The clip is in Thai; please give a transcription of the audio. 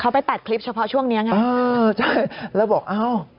เข้าไปตัดคลิปเฉพาะช่วงนี้แล้วบอกเอ้า